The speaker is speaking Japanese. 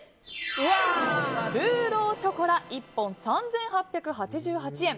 ルーローショコラ１本３８８８円。